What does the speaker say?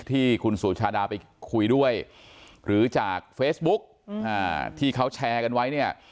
ที่คุณสุชาดาไปคุยด้วยหรือจากเฟซบุ๊กที่เขาแชร์กันไว้เนี่ย